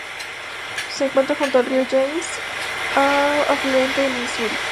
Se encuentra junto al río James, un afluente del Misuri.